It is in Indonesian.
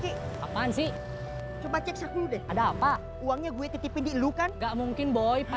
sampai jumpa di video selanjutnya